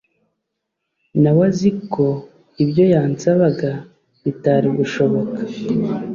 nawe aziko ibyo yansabaga bitari gushoboka